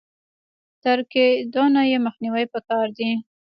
تر کېدونه يې مخنيوی په کار دی.